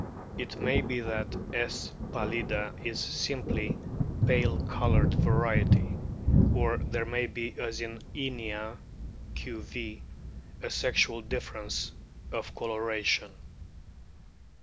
It may be that S. pallida is simply a pale coloured variety, or there may be, as in Inia (q.v.), a sexual difference of coloration.